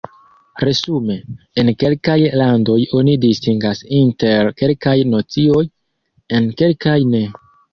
Resume, en kelkaj landoj oni distingas inter kelkaj nocioj, en kelkaj ne.